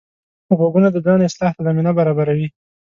غوږونه د ځان اصلاح ته زمینه برابروي